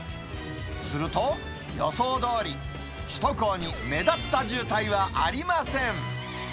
すると、予想どおり、首都高に目立った渋滞はありません。